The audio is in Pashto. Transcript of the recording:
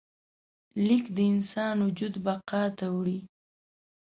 لیک د انسان وجود بقا ته وړي.